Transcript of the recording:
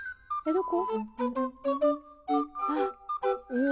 どこ？